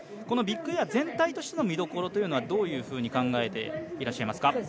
このビッグエア全体としての見どころはどういうふうに考えていらっしゃいますか？